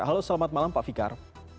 halo selamat malam pak fikar